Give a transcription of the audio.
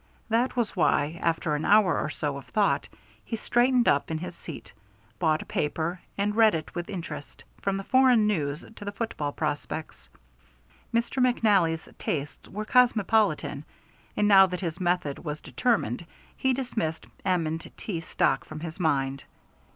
That was why, after an hour or so of thought, he straightened up in his seat, bought a paper, and read it with interest, from the foreign news to the foot ball prospects. Mr. McNally's tastes were cosmopolitan, and now that his method was determined he dismissed M. & T. stock from his mind.